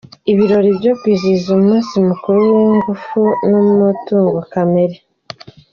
Ibirori byo kwizihiza umunsi w’ingufu n’umutungo kamere.